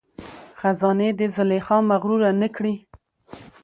خزانې دي زلیخا مغروره نه کړي